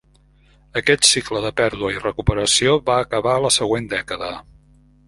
Aquest cicle de pèrdua i recuperació va acabar la següent dècada.